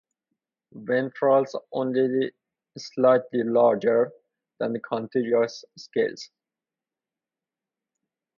Ventrals only slightly larger than the contiguous scales.